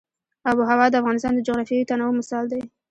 آب وهوا د افغانستان د جغرافیوي تنوع مثال دی.